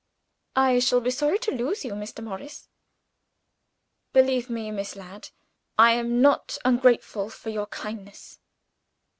"I shall be sorry to lose you, Mr. Morris." "Believe me, Miss Ladd, I am not ungrateful for your kindness."